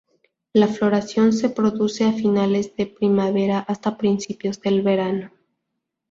La floración se produce a finales de primavera hasta principios del verano.